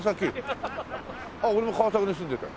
俺も川崎に住んでたよ。